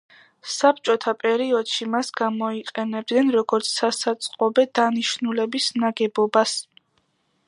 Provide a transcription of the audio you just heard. საბჭოთა პერიოდში მას გამოიყენებდნენ როგორც სასაწყობე დანიშნულების ნაგებობას.